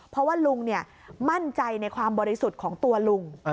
เพราะว่าลุงมั่นใจในความบริสุทธิ์ของตัวลุง